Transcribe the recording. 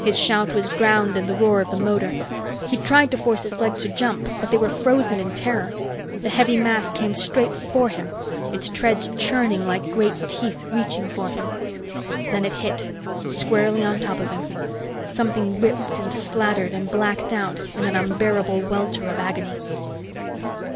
His shout was drowned in the roar of the motor. He tried to force his legs to jump, but they were frozen in terror. The heavy mass came straight for him, its treads churning like great teeth reaching for him. Then it hit, squarely on top of him. Something ripped and splattered and blacked out in an unbearable welter of agony.